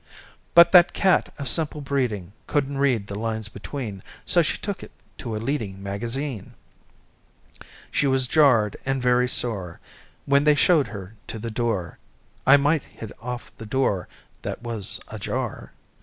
But that cat of simple breeding Couldn't read the lines between, So she took it to a leading Magazine. She was jarred and very sore When they showed her to the door. (I might hit off the door that was a jar!)